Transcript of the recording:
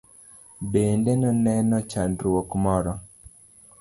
Bende noneno chandruok moro?